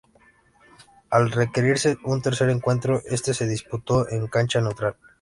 Al requerirse un tercer encuentro, este se disputó en cancha neutral.